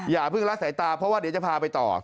อย่าเพิ่งละสายตาเพราะว่าเดี๋ยวจะพาไปต่อ